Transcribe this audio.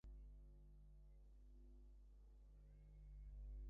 ওসমান সাহেব বিরক্ত স্বরে বললেন, আমি তোমাকে একটা প্রশ্ন জিজ্ঞেস করেছি।